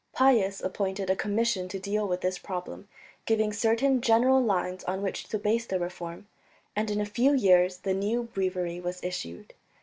Pius appointed a commission to deal with this problem, giving certain general lines on which to base the reform, and in a few years the new Breviary was issued.